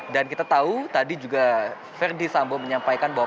dan kita tahu tadi juga verisambu menyampaikan bahwa